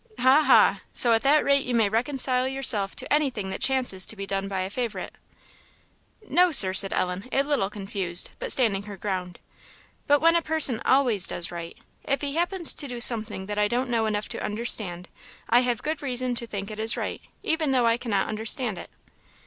"Ha!, ha! So at that rate you may reconcile yourself to anything that chances to be done by a favourite." "No, Sir," said Ellen, a little confused, but standing her ground; "but when a person always does right, if he happen to do something that I don't know enough to understand, I have good reason to think it is right, even though I cannot understand it."